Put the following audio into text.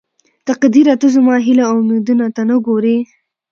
تقديره ته زما هيلې او اميدونه ته نه ګورې.